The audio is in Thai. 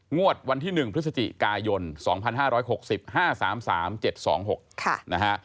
งวดวันที่๑พฤศจิกายน๒๕๖๕๓๓๗๒๖นะฮะ